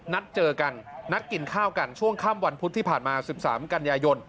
นัดเจอกันนัดกินข้าวกันช่วงค่ำวันพุธที่ผ่านมา๑๓กันยายน